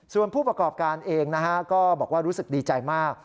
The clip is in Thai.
ส่วนผู้ประกอบการเองนะฮะก็บอกว่ารู้สึกดีใจมาก